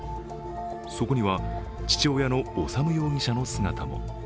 そこには、父親の修容疑者の姿も。